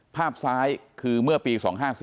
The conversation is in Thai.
ภาพซ้ายคือเมื่อปี๒๕๔